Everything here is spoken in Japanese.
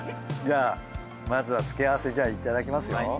じゃあまずは付け合わせいただきますよ。